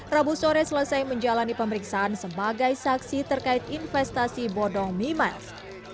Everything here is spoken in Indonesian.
rabu sore selesai menjalani pemeriksaan sebagai saksi terkait investasi bodong mimiles